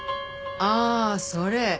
ああそれ？